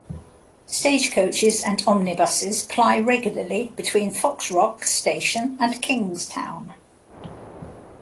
Stage coaches and omnibuses ply regularly between Foxrock station and Kingstown.